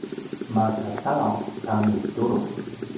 masasalaw ta mintuluq